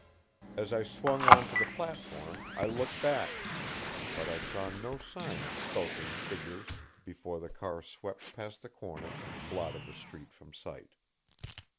As I swung on to the platform I looked back; but I saw no sign of skulking figures before the car swept past the corner and blotted the street from sight.